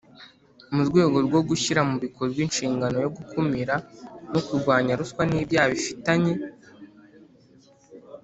Mu rwego rwo gushyira mu bikorwa inshingano yo gukumira no kurwanya ruswa n ibyaha bifitanye